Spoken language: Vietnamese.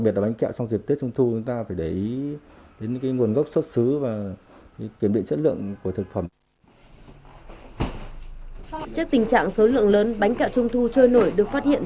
bánh kẹo trung thu trôi nổi được phát hiện